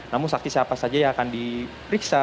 namun saksi siapa saja yang akan diperiksa